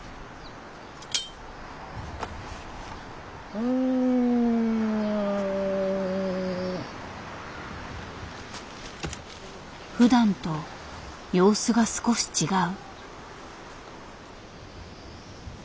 うん。ふだんと様子が少し違う。